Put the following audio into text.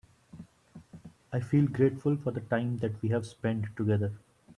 I feel grateful for the time that we have spend together.